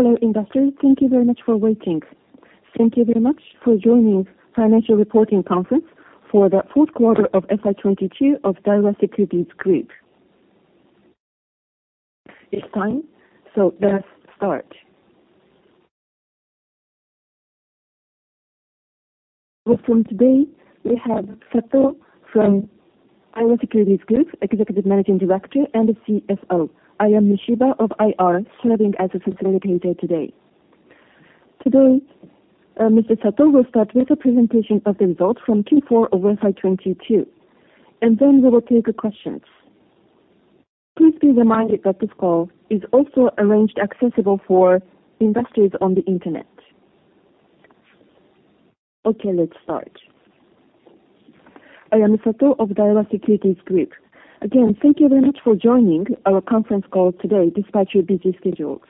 Hello, investors. Thank you very much for waiting. Thank you very much for joining financial reporting conference for the 4th Quarter of FY 2022 of Daiwa Securities Group. Let's start. Welcome today, we have Sato from Daiwa Securities Group, Executive Managing Director and the CSO. I am Mishiba of IR, serving as a facilitator today. Today, Mr. Sato will start with a presentation of the results from Q4 of FY 2022. Then we will take the questions. Please be reminded that this call is also arranged accessible for investors on the internet. Okay. Let's start. I am Sato of Daiwa Securities Group. Thank you very much for joining our conference call today despite your busy schedules.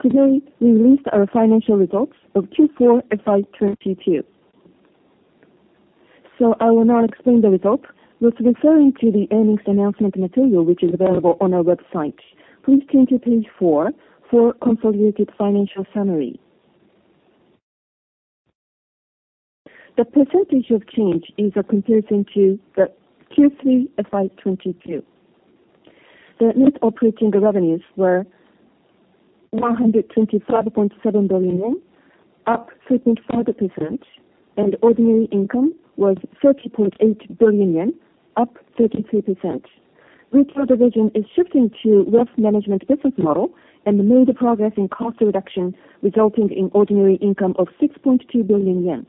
Today, we released our financial results of Q4 FY 2022. I will now explain the result with referring to the earnings announcement material which is available on our website. Please turn to Page 4 for consolidated financial summary. The percentage of change is a comparison to the Q3 FY 2022. The net operating revenues were 125.7 billion yen, up 3.4%, and ordinary income was 30.8 billion yen, up 33%. Retail division is shifting to wealth management business model and made a progress in cost reduction, resulting in ordinary income of 6.2 billion yen.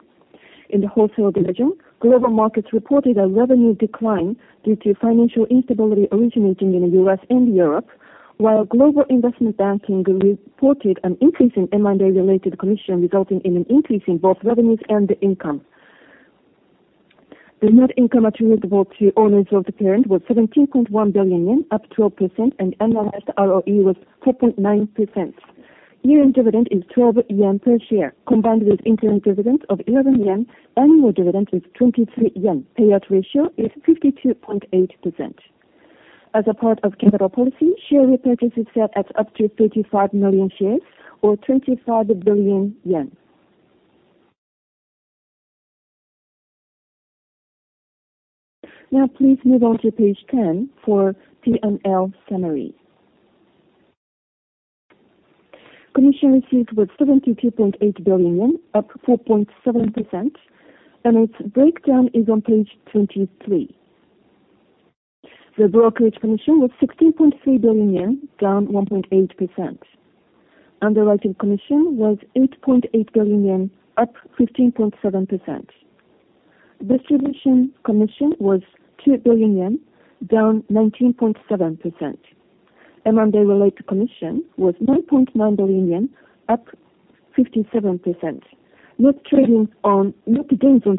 In the wholesale division, global markets reported a revenue decline due to financial instability originating in the U.S. and Europe, while global investment banking reported an increase in M&A-related commission, resulting in an increase in both revenues and the income. The net income attributable to owners of the parent was 17.1 billion yen, up 12%, and annualized ROE was 4.9%. Year-end dividend is 12 yen per share. Combined with interim dividend of 11 yen, annual dividend is 23 yen. Payout ratio is 52.8%. As a part of capital policy, share repurchase is set at up to 35 million shares or 25 billion yen. Now please move on to Page 10 for P&L summary. Commission received was 72.8 billion yen, up 4.7%, and its breakdown is on Page 23. The brokerage commission was 16.3 billion yen, down 1.8%. Underwriting commission was 8.8 billion yen, up 15.7%. Distribution commission was 2 billion yen, down 19.7%. M&A-related commission was 1.9 billion yen, up 57%. Net gains on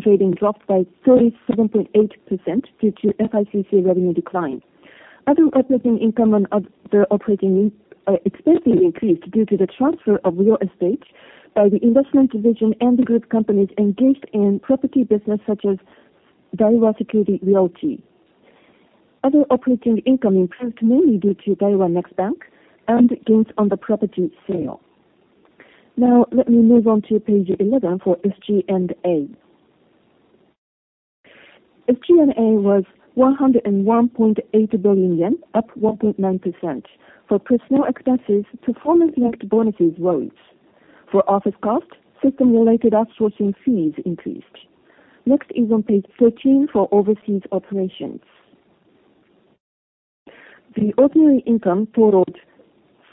trading dropped by 37.8% due to FICC revenue decline. Other operating income and other operating expenses increased due to the transfer of real estate by the investment division and the group companies engaged in property business such as Daiwa Securities Realty. Other operating income increased mainly due to Daiwa Next Bank and gains on the property sale. Let me move on to Page 11 for SG&A. SG&A was 101.8 billion yen, up 1.9%. For personal expenses, performance-linked bonuses rose. For office costs, system-related outsourcing fees increased. Is on Page 13 for overseas operations. The ordinary income totaled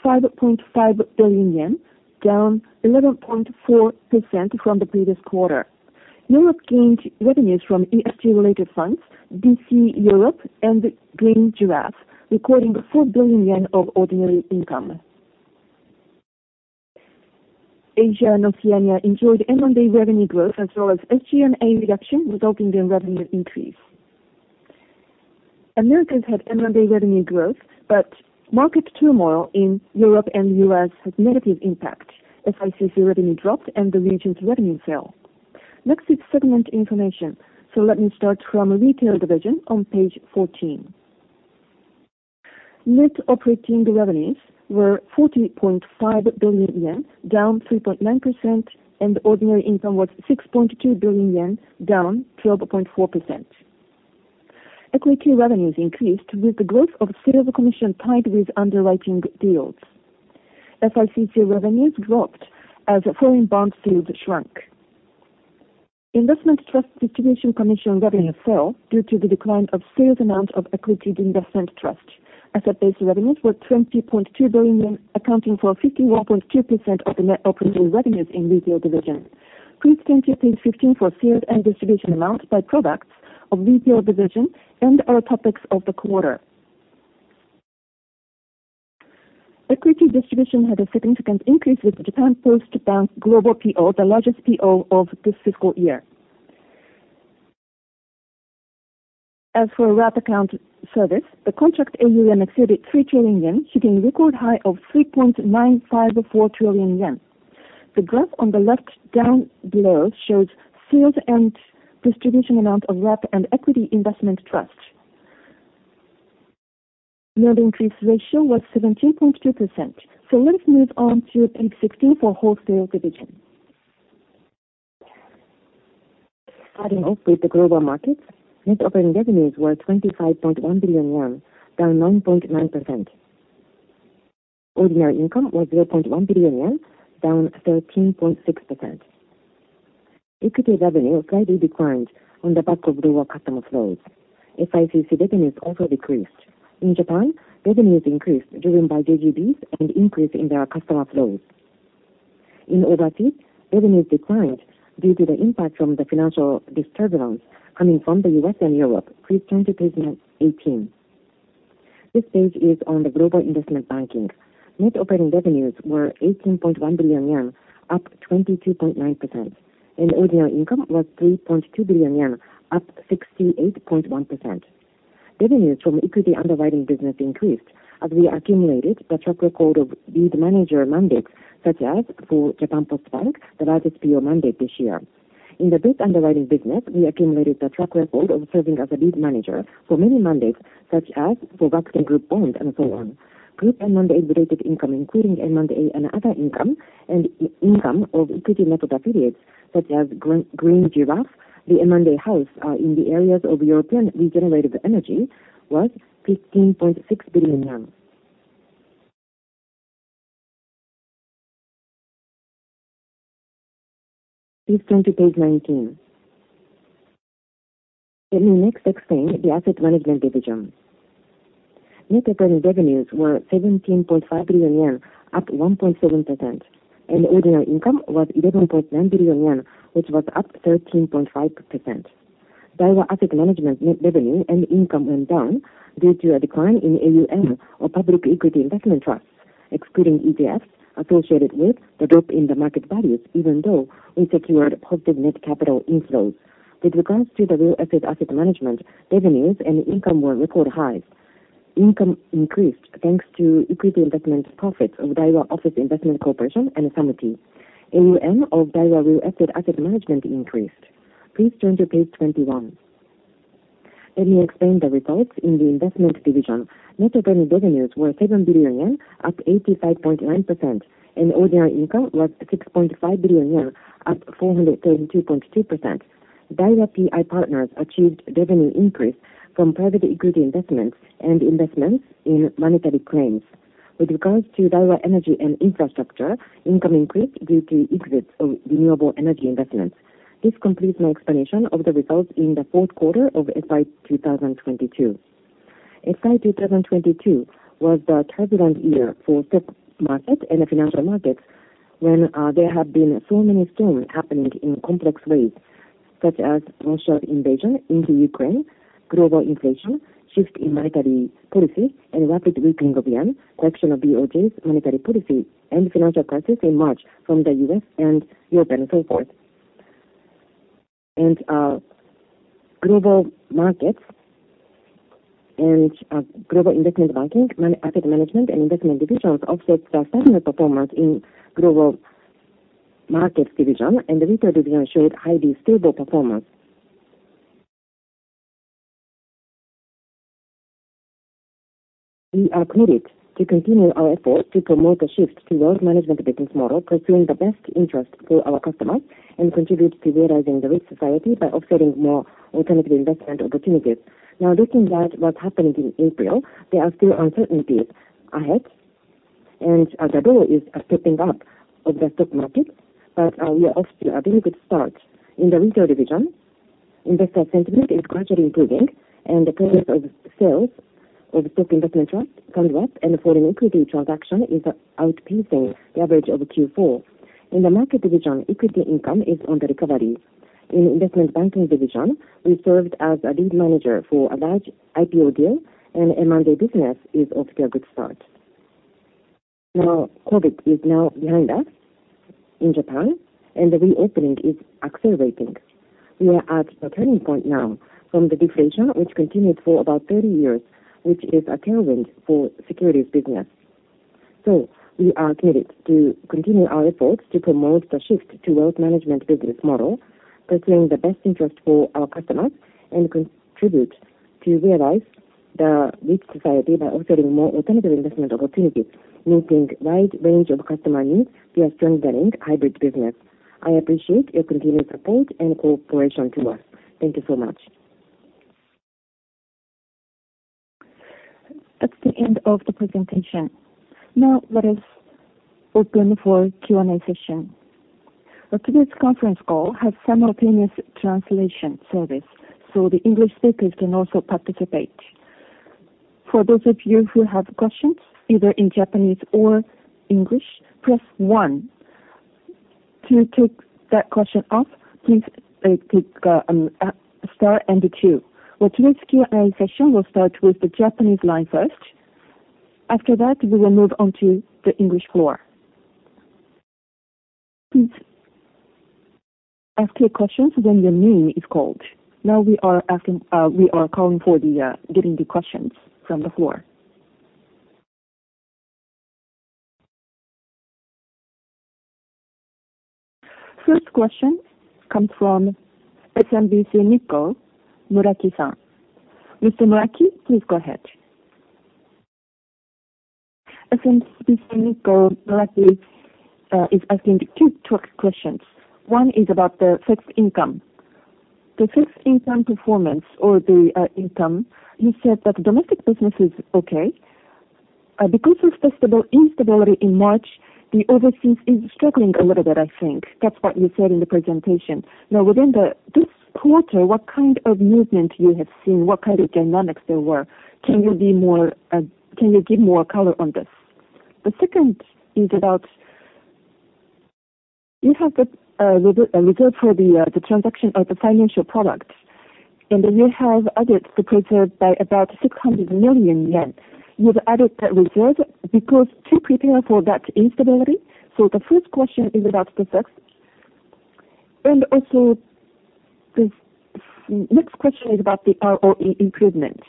5.5 billion yen, down 11.4% from the previous quarter. Europe gained revenues from ESG-related funds, DC Europe, and Green Giraffe, recording 4 billion yen of ordinary income. Asia and Oceania enjoyed M&A revenue growth as well as SG&A reduction, resulting in revenue increase. Americas had M&A revenue growth, but market turmoil in Europe and U.S. had negative impact. FICC revenue dropped and the region's revenue fell. Next is segment information. Let me start from retail division on Page 14. Net operating revenues were 40.5 billion yen, down 3.9%, and ordinary income was 6.2 billion yen, down 12.4%. Equity revenues increased with the growth of sales commission tied with underwriting deals. FICC revenues dropped as foreign bond yields shrunk. Investment trust distribution commission revenues fell due to the decline of sales amount of equity investment trust. Asset-based revenues were 20.2 billion, accounting for 51.2% of the net operating revenues in retail division. Please turn to Page 15 for sales and distribution amount by products of retail division and our topics of the quarter. Equity distribution had a significant increase with Japan Post Bank's global PO, the largest PO of this fiscal year. As for wrap account service, the contract AUM exceeded 3 trillion yen, hitting record high of 3.954 trillion yen. The graph on the left down below shows sales and distribution amount of wrap and equity investment trust. Yearly increase ratio was 17.2%. Let's move on to Page 16 for wholesale division. Starting off with the global markets. Net operating revenues were 25.1 billion yen, down 9.9%. Ordinary income was 0.1 billion yen, down 13.6%. Equity revenue slightly declined on the back of lower customer flows. FICC revenues also decreased. In Japan, revenues increased driven by JGBs and increase in their customer flows. In overseas, revenues declined due to the impact from the financial disturbance coming from the U.S. and Europe, please turn to Page 18. This page is on the global investment banking. Net operating revenues were 18.1 billion yen, up 22.9%. Ordinary income was 3.2 billion yen, up 68.1%. Revenues from equity underwriting business increased as we accumulated the track record of lead manager mandates such as for Japan Post Bank, the largest PO mandate this year. In the debt underwriting business, we accumulated the track record of serving as a lead manager for many mandates such as for Vaxine Group owned and so on. Group M&A-related income, including M&A and other income and e-income of equity method affiliates such as Green Giraffe, the M&A house, in the areas of European renewable energy was JPY 15.6 billion. Please turn to Page 19. Let me next explain the asset management division. Net operating revenues were 17.5 billion yen, up 1.7%, and ordinary income was 11.9 billion yen, which was up 13.5%. Daiwa Asset Management net revenue and income went down due to a decline in AUM or public equity investment trust, excluding ETFs associated with the drop in the market values, even though we secured positive net capital inflows. With regards to the real asset management, revenues and income were record highs. Income increased thanks to equity investment profits of Daiwa Office Investment Corporation and Samty. AUM of Daiwa Real Estate Asset Management increased. Please turn to Page 21. Let me explain the results in the investment division. Net operating revenues were 7 billion yen, up 85.9%, and ordinary income was 6.5 billion yen, up 432.2%. Daiwa PI Partners achieved revenue increase from private equity investments and investments in monetary claims. With regards to Daiwa Energy & Infrastructure, income increased due to exits of renewable energy investments. This completes my explanation of the results in the fourth quarter of FY 2022. FY 2022 was the turbulent year for stock market and the financial markets when there have been so many storms happening in complex ways such as Russia invasion into Ukraine, global inflation, shift in monetary policy, and rapid weakening of yen, correction of BOJ's monetary policy and financial crisis in March from the U.S. and European, so forth. Global markets and global investment banking, asset management and investment divisions offset the stamina performance in Global Markets Division and the Retail Division showed highly stable performance. We are committed to continue our efforts to promote the shift to wealth management business model, pursuing the best interest for our customers and contribute to realizing For those of you who have questions, either in Japanese or English, press one. To take that question off, please click star and two. Today's Q&A session will start with the Japanese line first. After that, we will move on to the English floor. Please ask your questions when your name is called. Now we are going of getting the questions from the floor. First question comes from SMBC Nikko, Muraki-san. Mr. Muraki, please go ahead. SMBC Nikko, Muraki, is asking two questions. One is about the fixed income. The fixed income performance or the income. You said that domestic business is okay. Because of financial instability in March, the overseas is struggling a little bit, I think. That's what you said in the presentation. Within this quarter, what kind of movement you have seen, what kind of dynamics there were? Can you give more color on this? Second is about you have the reserve for the transaction of the financial products, you have added the reserve by about 600 million yen. You have added that reserve because to prepare for that instability. The first question is about the effects. Also the next question is about the ROE improvements.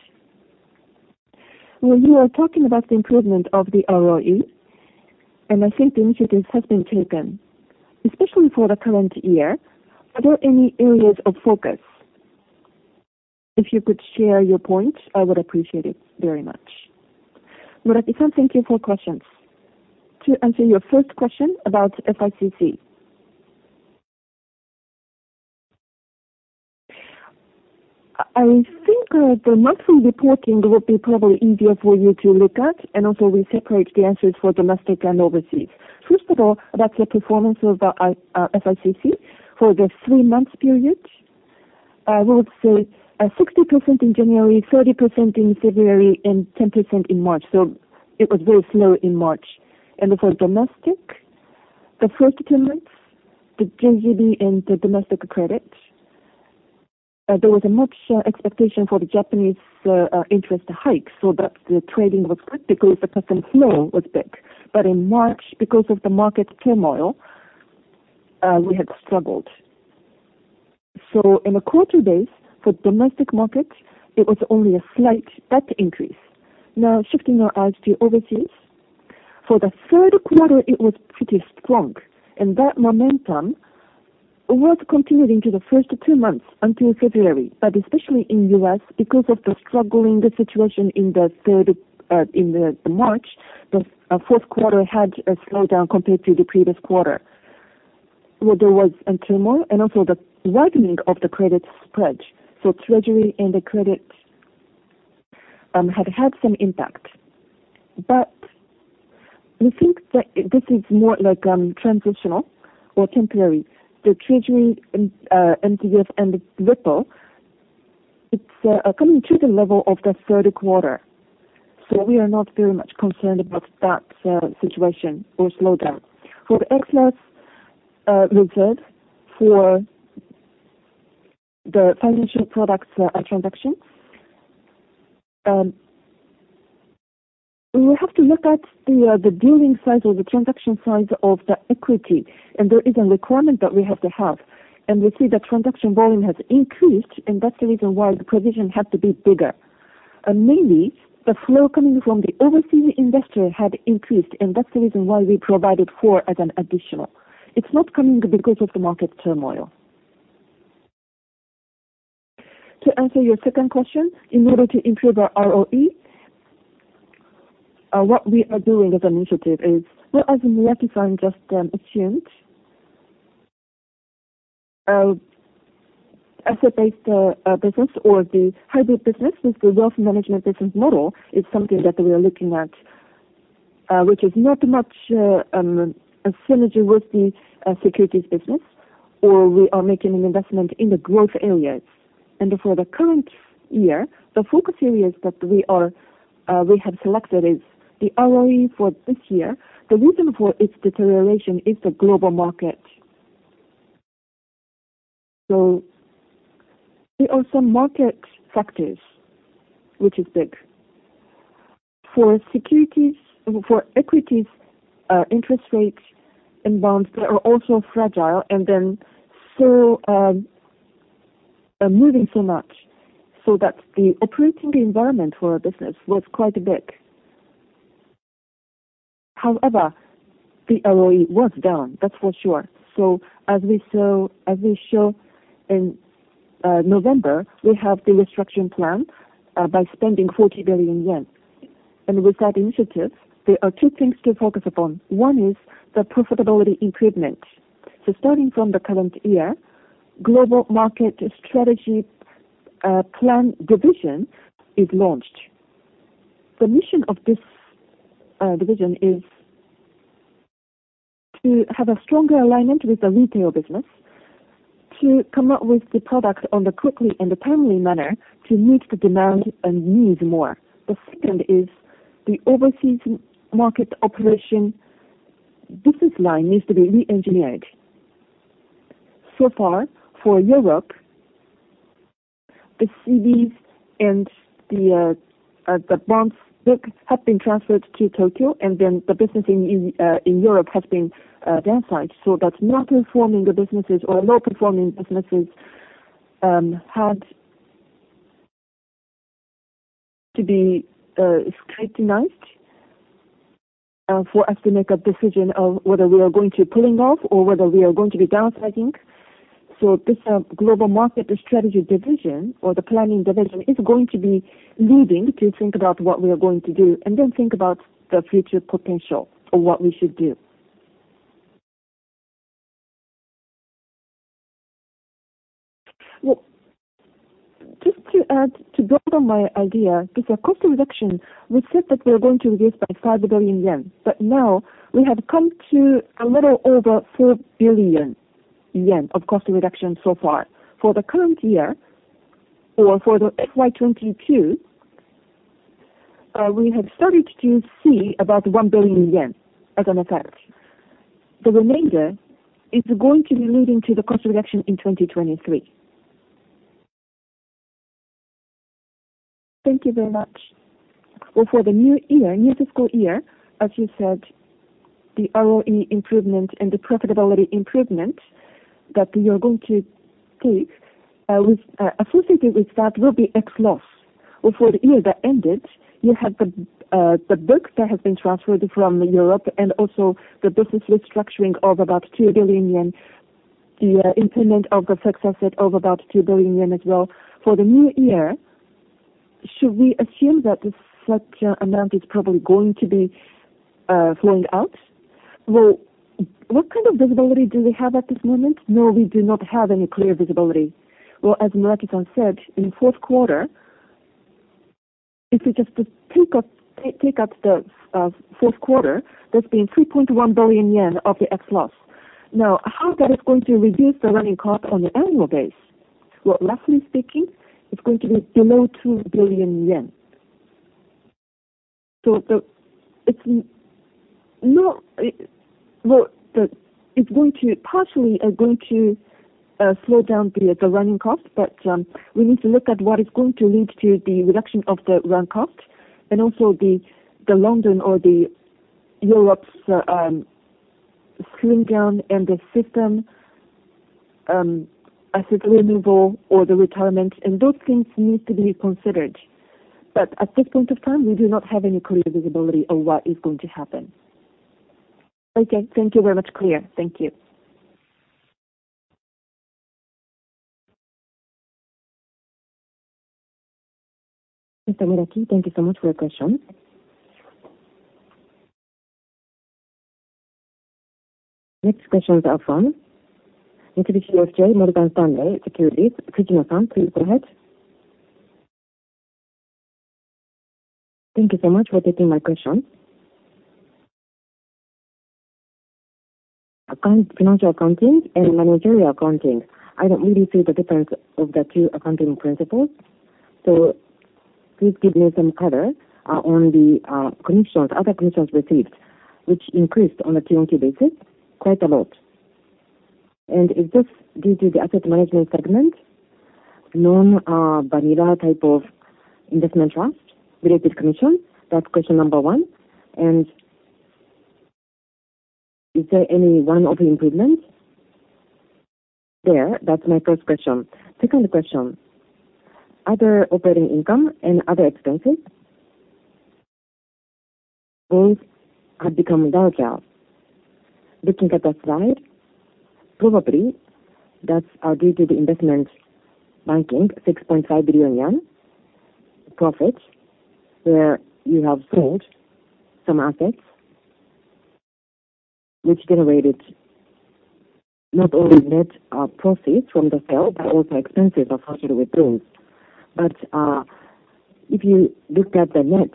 When you are talking about the improvement of the ROE, I think the initiatives have been taken, especially for the current year. Are there any areas of focus? If you could share your points, I would appreciate it very much. Muraki-san, thank you for questions. To answer your first question about FICC. I think the monthly reporting will be probably easier for you to look at, also we separate the answers for domestic and overseas. First of all, about the performance of the FICC for the three-month period, I would say, 60% in January, 30% in February, 10% in March, it was very slow in March. For domestic, the first two months, the JGB and the domestic credit, there was much expectation for the Japanese interest hike, so that the trading was quick because the customer flow was big. In March, because of the market turmoil, we had struggled. In a quarter days, for domestic markets, it was only a slight up increase. Now shifting our eyes to overseas. For the third quarter, it was pretty strong, and that momentum was continuing to the first two months until February. Especially in U.S., because of the struggling, the situation in the third, in March, the 4th quarter had a slowdown compared to the previous quarter, where there was a turmoil and also the widening of the credit spread. Treasury and the credit had some impact. We think that this is more like transitional or temporary. The treasury and entities and little, it's coming to the level of the third quarter. We are not very much concerned about that situation or slowdown. For the excellence method for the financial products transaction, we will have to look at the dealing size or the transaction size of the equity. There is a requirement that we have to have. We see the transaction volume has increased, and that's the reason why the provision had to be bigger. Mainly, the flow coming from the overseas investor had increased, and that's the reason why we provided for as an additional. It's not coming because of the market turmoil. To answer your second question, in order to improve our ROE, what we are doing as an initiative is, well, as Muraki-san just assumed, asset-based business or the hybrid business with the wealth management business model is something that we are looking at, which is not much a synergy with the securities business, or we are making an investment in the growth areas. For the current year, the focus areas that we are we have selected is the ROE for this year. The reason for its deterioration is the global market. There are some market factors which is big. For equities, interest rates and bonds, they are also fragile and then so are moving so much, so that the operating environment for our business was quite big. The ROE was down, that's for sure. As we saw, as we show in November, we have the restructuring plan by spending 40 billion yen. With that initiative, there are two things to focus upon. One is the profitability improvement. Starting from the current year, Global Market Strategy Plan division is launched. The mission of this division is to have a stronger alignment with the retail business to come up with the products on the quickly and a timely manner to meet the demand and needs more. The second is the overseas market operation business line needs to be re-engineered. Far, for Europe, the CDs and the bonds book have been transferred to Tokyo, and then the business in Europe has been downsized, so that not performing the businesses or low-performing businesses had to be scrutinized for us to make a decision of whether we are going to pulling off or whether we are going to be downsizing. This Global Market Strategy division or the planning division is going to be leading to think about what we are going to do and then think about the future potential of what we should do. Well, just to add, to build on my idea, because the cost reduction, we said that we are going to reduce by 5 billion yen, but now we have come to a little over 4 billion yen of cost reduction so far. For the current year or for the FY 2022, we have started to see about 1 billion yen as an effect. The remainder is going to be leading to the cost reduction in 2023. Thank you very much. For the new year, new fiscal year, as you said, the ROE improvement and the profitability improvement that we are going to take, with associated with that will be X loss. For the year that ended, you had the books that have been transferred from Europe and also the business restructuring of about 2 billion yen, the impairment of the fixed asset of about 2 billion yen as well. For the new year, should we assume that the such amount is probably going to be flowing out? What kind of visibility do we have at this moment? No, we do not have any clear visibility. Well, as Muraki-san said, in the fourth quarter, if you just take up, take up the fourth quarter, there's been 3.1 billion yen of the X loss. How that is going to reduce the running cost on an annual base? Well, roughly speaking, it's going to be below 2 billion yen. It's no, it. Well, it's going to, partially are going to slow down the running cost. We need to look at what is going to lead to the reduction of the run cost and also the London or the Europe's scaling down and the system asset removal or the retirement, and those things need to be considered. At this point of time, we do not have any clear visibility on what is going to happen. Okay. Thank you very much. Clear. Thank you. Mr. Muraki, thank you so much for your question. Next questions are from Mitsubishi UFJ Morgan Stanley Securities. Fujimoto-san, please go ahead. Thank you so much for taking my question. Current financial accounting and managerial accounting, I don't really see the difference of the two accounting principles, so please give me some color on the commissions, other commissions received, which increased on a Q-on-Q basis quite a lot. Is this due to the asset management segment, non-vanilla type of investment trust related commission? That's question number one. Is there any one of the improvements there? That's my first question. Second question, other operating income and other expenses, those have become larger. Looking at that slide, probably that's are due to the investment banking, 6.5 billion yen profits, where you have sold some assets which generated not only net proceeds from the sale but also expenses associated with those. If you look at the net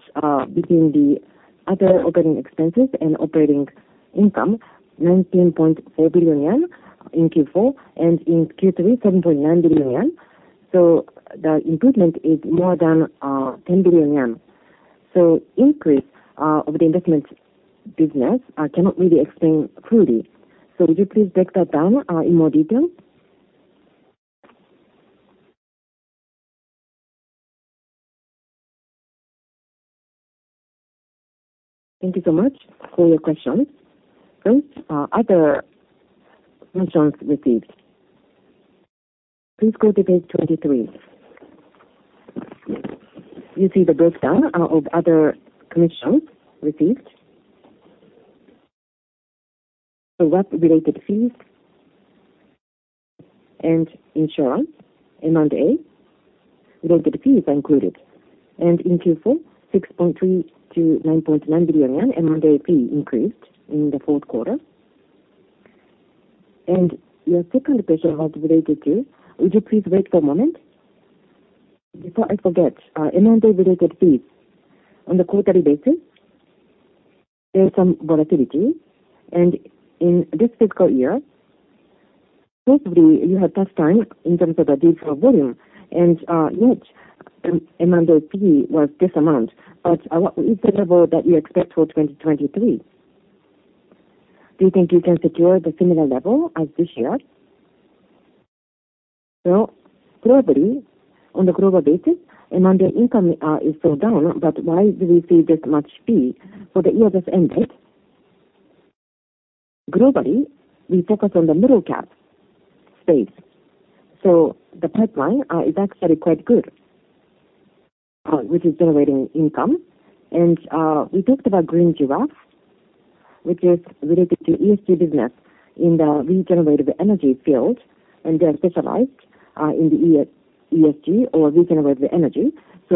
between the other operating expenses and operating income, 19.4 billion yen in Q4, and in Q3, 7.9 billion yen. The improvement is more than 10 billion yen. Increase of the investment business cannot really explain fully. Would you please break that down in more detail? Thank you so much for your question. First, other commissions received. Please go to Page 23. You see the breakdown of other commissions received. Wealth related fees and insurance in M&A, related fees are included. In Q4, 6.3 billion to 9.9 billion yen in management fee increased in the fourth quarter. Your second question was, Would you please wait for a moment? Before I forget, in management-related fees, on the quarterly basis, there's some volatility. In this fiscal year, hopefully you have tough time in terms of the digital volume. Yet, management fee was this amount. What is the level that you expect for 2023? Do you think you can secure the similar level as this year? Probably on the global basis, management income is so down, why do we see this much fee? For the M&A fee, globally, we focus on the middle cap space. The pipeline is actually quite good, which is generating income. We talked about Green Giraffe, which is related to ESG business in the regenerative energy field, and they are specialized in the ESG or regenerative energy.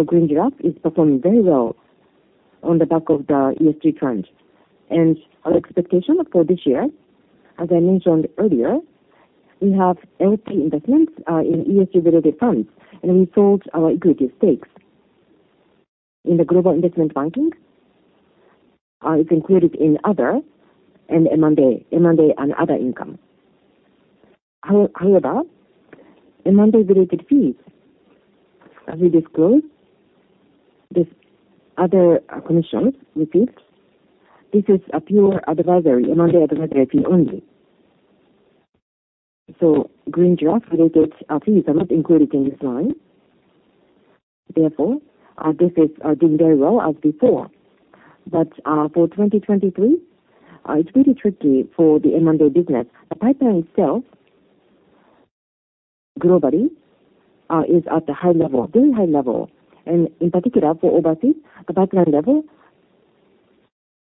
Green Giraffe is performing very well on the back of the ESG trend. Our expectation for this year, as I mentioned earlier, we have LP investments in ESG-related funds, and we sold our equity stakes. In the global investment banking, it's included in other and M&A and other income. However, M&A-related fees, as we disclose, this other commissions we take, this is a pure advisory, M&A advisory fee only. Green Giraffe-related fees are not included in this line. This is doing very well as before. For 2023, it's pretty tricky for the M&A business. The pipeline itself globally is at a high level, very high level. In particular, for overseas, the pipeline level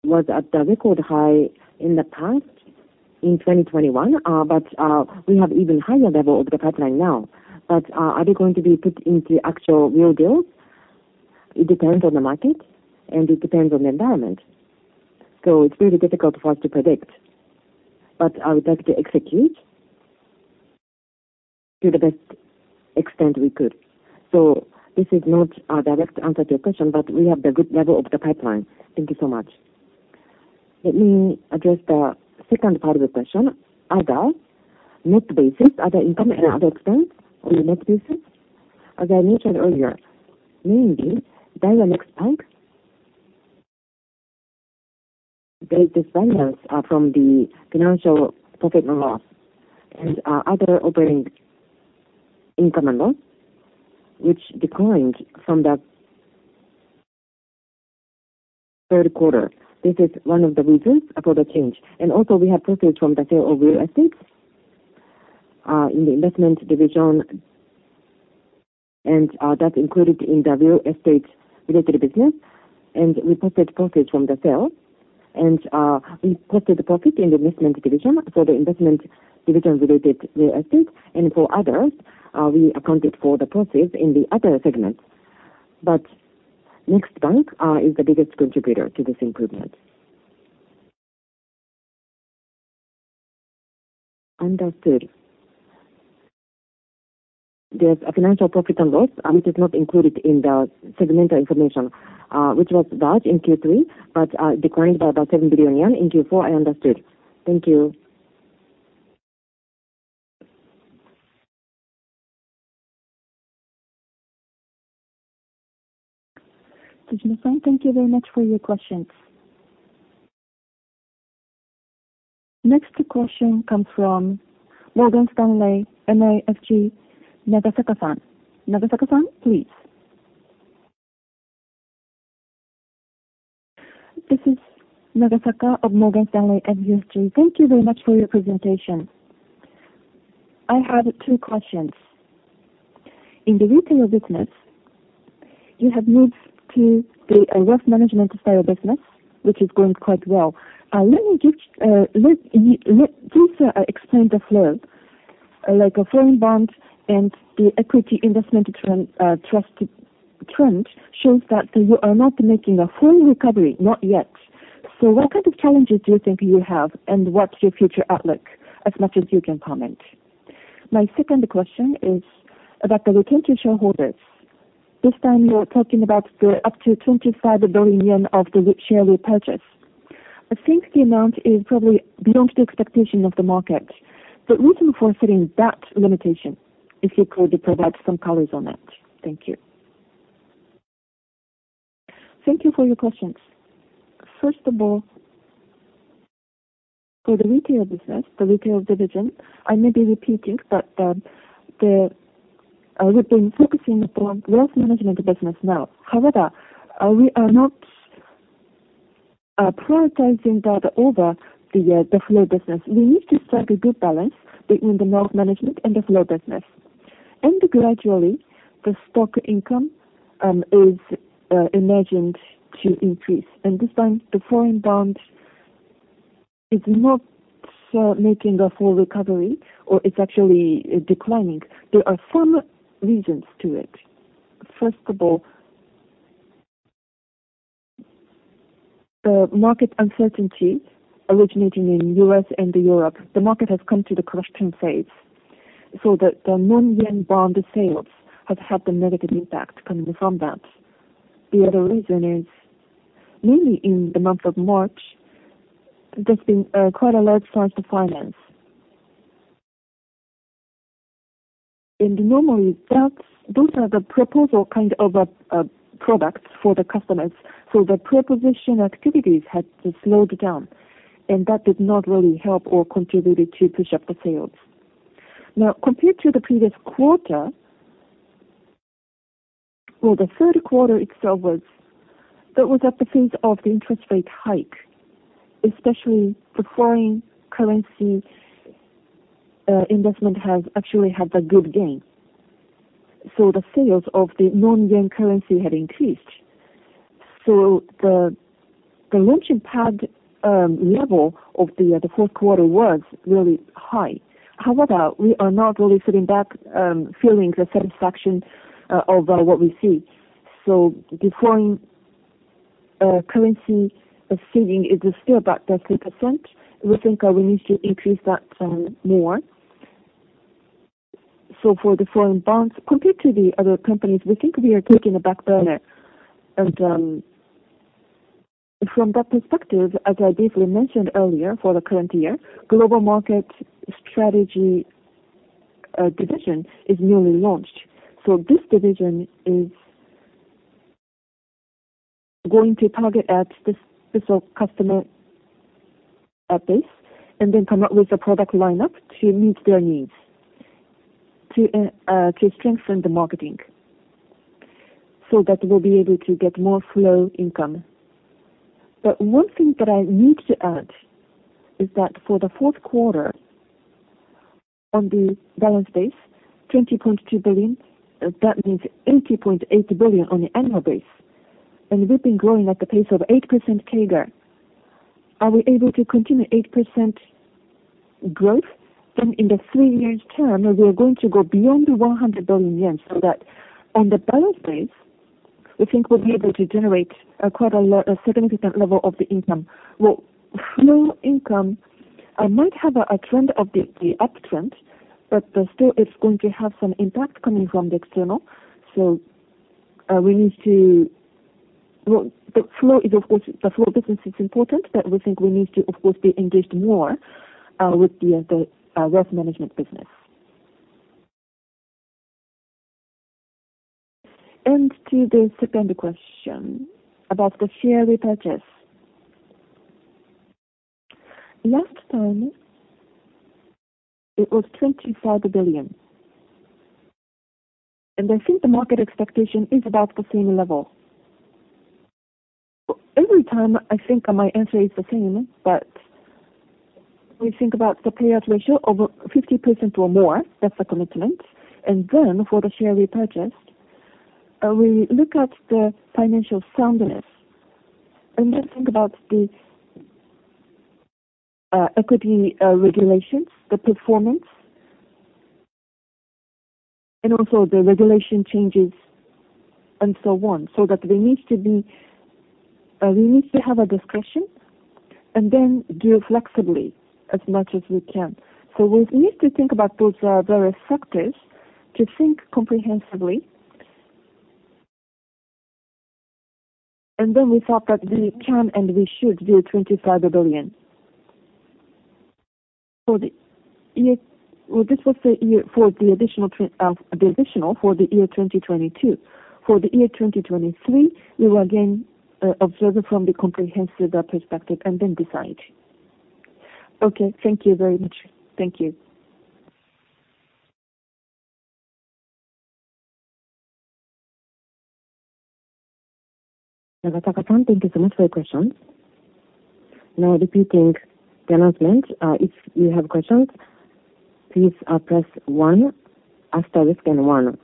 was at the record high in the past in 2021. We have even higher level of the pipeline now. Are they going to be put into actual real deals? It depends on the market, and it depends on the environment. It's really difficult for us to predict, but I would like to execute to the best extent we could. This is not a direct answer to your question, but we have the good level of the pipeline. Thank you so much. Let me address the second part of your question. Other net basis, other income and other expense on a net basis. As I mentioned earlier, mainly Daiwa Next Bank. There's this balance from the financial profit and loss and other operating income and loss, which declined from the third quarter. This is one of the reasons for the change. We have profits from the sale of real estate in the investment division, that's included in the real estate-related business. We posted profits from the sale. We posted the profit in the investment division for the investment division-related real estate. For others, we accounted for the profits in the other segments. Next Bank is the biggest contributor to this improvement. Understood. There's a financial profit and loss, which is not included in the segmental information, which was large in Q3, declined by about 7 billion yen in Q4. I understood. Thank you. Fujimoto-san, thank you very much for your questions. Next question comes from Morgan Stanley MUFG Securities, Nagasaka-san. Nagasaka-san, please. This is Nagasaka of Morgan Stanley MUFG Securities. Thank you very much for your presentation. I have two questions. In the retail business, you have moved to the wealth management style business, which is going quite well. Let me just please explain the flow. Like a foreign bond and the equity investment trend, trust trend shows that you are not making a full recovery, not yet. What kind of challenges do you think you have, and what's your future outlook as much as you can comment? My second question is about the return to shareholders. This time you are talking about the up to 25 billion yen of the share repurchase. I think the amount is probably beyond the expectation of the market. The reason for setting that limitation, if you could provide some colors on it? Thank you. Thank you for your questions. First of all, for the retail business, the retail division, I may be repeating, but we've been focusing on wealth management business now. However, we are not prioritizing that over the flow business. We need to strike a good balance between the wealth management and the flow business. Gradually, the stock income is imagined to increase. This time, the foreign bonds is not making a full recovery or it's actually declining. There are some reasons to it. First of all, the market uncertainty originating in U.S. and Europe, the market has come to the correction phase. The non-yen bond sales have had a negative impact coming from that. The other reason is, mainly in the month of March, there's been quite a large source to finance. Normally, those are the proposal kind of products for the customers. The preposition activities had slowed down, and that did not really help or contributed to push up the sales. Compared to the previous quarter. Well, the third quarter itself was, that was at the peak of the interest rate hike, especially the foreign currency investment has actually had a good gain. The sales of the non-yen currency had increased. The launching pad level of the fourth quarter was really high. We are not really sitting back feeling the satisfaction of what we see. The foreign currency saving is still about 30%. We think we need to increase that more. For the foreign bonds, compared to the other companies, we think we are taking a back burner. From that perspective, as I briefly mentioned earlier, for the current year, Global Market Strategy division is newly launched. This division is going to target at this specific customer base, and then come up with a product lineup to meet their needs to strengthen the marketing so that we'll be able to get more flow income. One thing that I need to add is that for the fourth quarter, on the balance base, 20.2 billion, that means 80.8 billion on an annual base. We've been growing at the pace of 8% CAGR. Are we able to continue 8% growth? In the 3-year term, we are going to go beyond 100 billion yen, so that on the balance base, we think we'll be able to generate quite a lot, a significant level of the income. Flow income might have a trend of the uptrend, but still it's going to have some impact coming from the external. The flow is of course, the flow business is important, but we think we need to of course be engaged more with the wealth management business. To the second question about the share repurchase. Last time, it was 25 billion. I think the market expectation is about the same level. Every time I think my answer is the same, but we think about the payout ratio of 50% or more. That's the commitment. For the share repurchase, we look at the financial soundness. Think about the equity regulations, the performance, and also the regulation changes and so on, so that we need to be, we need to have a discretion and then do it flexibly as much as we can. We need to think about those various factors to think comprehensively. We thought that we can and we should do 25 billion. This was the additional for the year 2022. For the year 2023, we will again observe from the comprehensive perspective and then decide. Thank you very much. Thank you. Nagasaka-san, thank you so much for your questions. Now repeating the announcement, if you have questions, please press one, asterisk then one.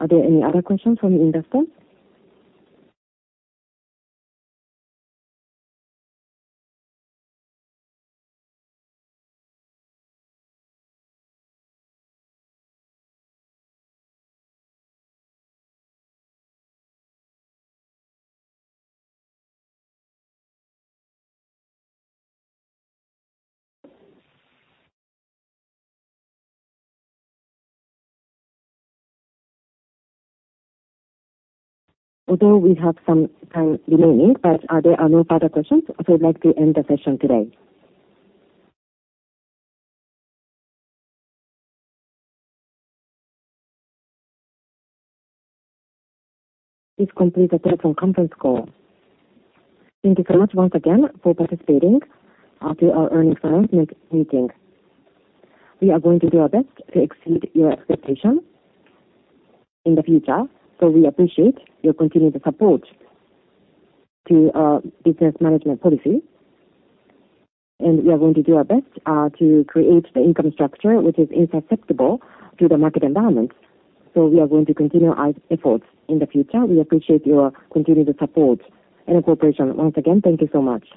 Are there any other questions from the investors? Although we have some time remaining, but are there no further questions, so I'd like to end the session today. This completes the telephone conference call. Thank you so much once again for participating to our earnings announcement meeting. We are going to do our best to exceed your expectations in the future. We appreciate your continued support to our business management policy. We are going to do our best to create the income structure which is insusceptible to the market environment. We are going to continue our efforts in the future. We appreciate your continued support and cooperation. Once again, thank you so much.